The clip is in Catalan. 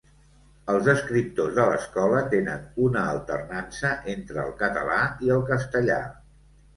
Els escriptors de l'Escola tenen una alternança entre el català i el castellà.